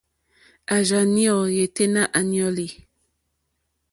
À rzá ɲɔ̄ yêténá à ɲɔ́lì.